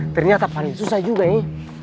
ternyata paling susah juga ya